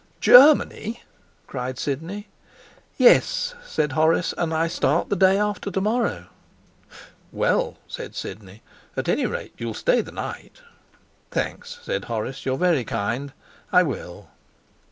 'Germany?' cried Sidney. 'Yes,' said Horace; 'and I start the day after tomorrow.' 'Well,' said Sidney, 'at any rate you'll stay the night.' 'Thanks,' said Horace, 'you're very kind. I will.'